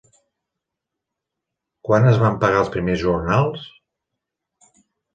Quan es van pagar els primers jornals?